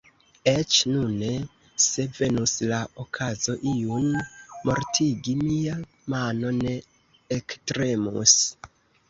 Eĉ nune, se venus la okazo iun mortigi, mia mano ne ektremus.